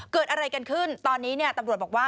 เกิดอะไรกันขึ้นตอนนี้เนี่ยตำรวจบอกว่า